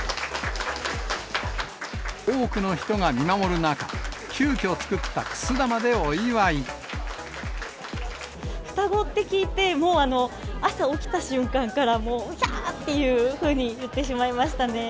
多くの人が見守る中、双子って聞いて、もう、朝起きた瞬間から、うひゃーっていうふうに言ってしまいましたね。